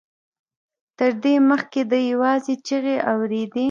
تر دې مخکې ده يوازې چيغې اورېدې.